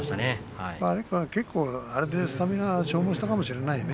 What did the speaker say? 結構あれでスタミナを消耗したかもしれないね。